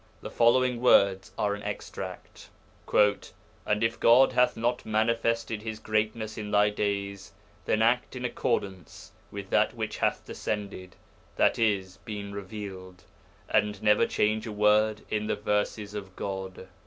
The following words are an extract: 'And if God hath not manifested His greatness in thy days, then act in accordance with that which hath descended (i.e. been revealed), and never change a word in the verses of God.